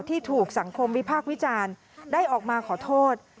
ที่ถูกสังคมวิพากษ์วิจารณ์ได้ออกมาขอโทษ